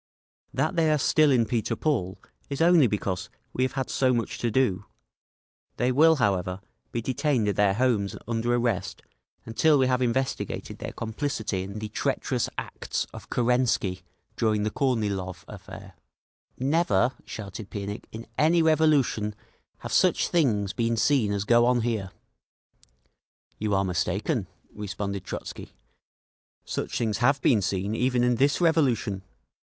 That they are still in Peter Paul is only because we have had so much to do…. They will, however, be detained at their homes under arrest until we have investigated their complicity in the treacherous acts of Kerensky during the Kornilov affair!" "Never," shouted Pianikh, "in any revolution have such things been seen as go on here!" "You are mistaken," responded Trotzky. "Such things have been seen even in this revolution.